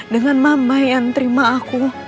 dengan mama yang terima aku